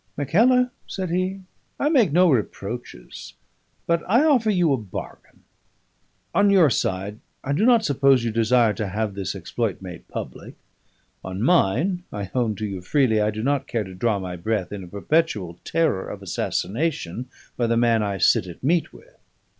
"Mackellar," said he, "I make no reproaches, but I offer you a bargain. On your side, I do not suppose you desire to have this exploit made public; on mine, I own to you freely I do not care to draw my breath in a perpetual terror of assassination by the man I sit at meat with.